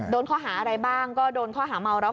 โดนข้อหาอะไรบ้างก็โดนข้อหาเมาแล้ว